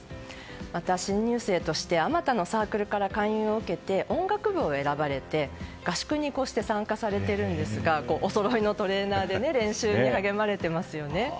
また、新入生としてあまたのサークルから勧誘を受けて、音楽部を選ばれて合宿にこうして参加されているんですがおそろいのトレーナーで練習に励まれていますよね。